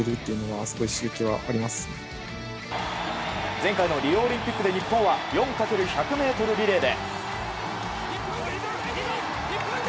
前回のリオオリンピックで日本は４×１００ｍリレーで。